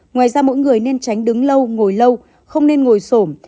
ngoài ra mỗi người nên tránh đứng lâu ngồi lâu không nên ngồi sổm